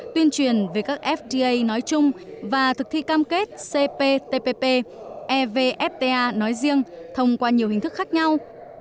tuyên truyền về các fda nói chung và thực thi cam kết cptpp evfta nói riêng thông qua nhiều hình thức khác nhau